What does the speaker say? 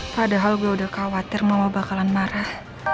padahal gue udah khawatir mama bakalan marah